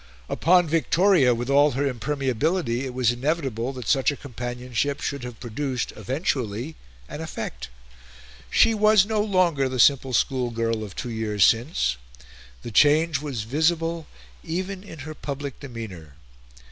Upon Victoria, with all her impermeability, it was inevitable that such a companionship should have produced, eventually, an effect. She was no longer the simple schoolgirl of two years since. The change was visible even in her public demeanour.